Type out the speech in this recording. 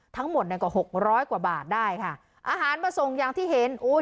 ทั้งหมดเนี่ยกว่าหกร้อยกว่าบาทได้ค่ะอาหารมาส่งอย่างที่เห็นโอ้ย